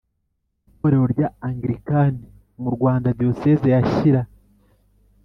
itorero rya Anglikani mu Rwanda Diyoseze ya Shyira